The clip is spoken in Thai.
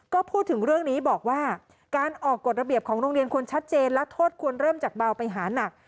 ก็พูดถึงเรื่องนี้บอกว่าการออกกฎระเบียบของโรงเรียนควรชัดเจนและโทษควรเริ่มจากเบาไปหานัก